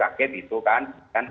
akhirnya itu kan